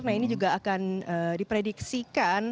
nah ini juga akan diprediksikan